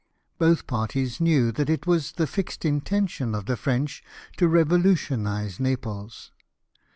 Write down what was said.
Both parties knew that it was the fixed intention of the French to revolutionise Naples.